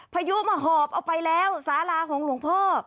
พายุมาหอบเอาไปแล้วสาราของหลวงพ่อ